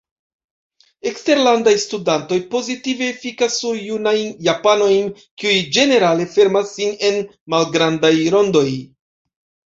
Eksterlandaj studantoj pozitive efikas sur junajn japanojn, kiuj ĝenerale fermas sin en malgrandaj rondoj.